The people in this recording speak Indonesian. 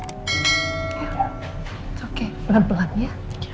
it's okay belap belap ya